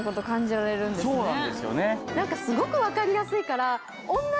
すごく分かりやすいから。